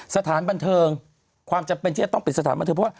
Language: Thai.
สถานบันเทิงความจำเป็นที่จะต้องเป็นสถานบันเทิง